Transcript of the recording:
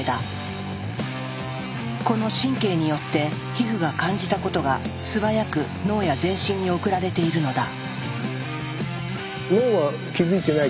この神経によって皮膚が感じたことが素早く脳や全身に送られているのだ。